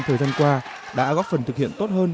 thời gian qua đã góp phần thực hiện tốt hơn